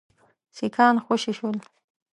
سیکهان خوشي شول.